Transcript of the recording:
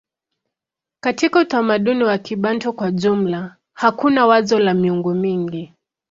Katika utamaduni wa Kibantu kwa jumla hakuna wazo la miungu mingi.